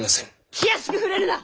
気安く触れるな！